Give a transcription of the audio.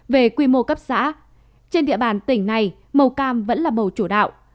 về quy mô cấp xã trên địa bàn tỉnh này màu cam vẫn là màu chủ đạo